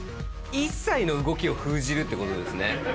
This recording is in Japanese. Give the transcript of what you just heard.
一切の動きを封じるってことですね。